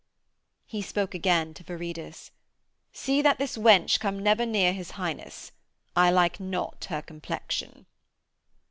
He spoke again to Viridus: 'See that this wench come never near his Highness. I like not her complexion.'